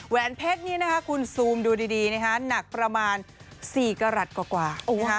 แวนเพชรคุณซูมดูดีหนักประมาณ๔กรัฐกว่า